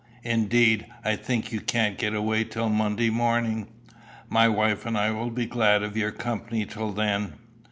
Indeed, I think you can't get away till Monday morning. My wife and I will be glad of your company till then."